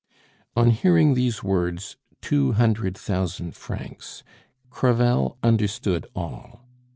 On hearing these words, "Two hundred thousand francs," Crevel understood all.